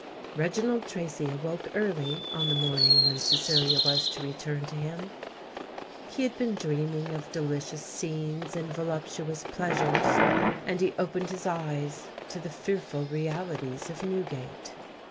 Reginald Tracy awoke early on the morning when Cecilia was to return to him. He had been dreaming of delicious scenes and voluptuous pleasures; and he opened his eyes to the fearful realities of Newgate.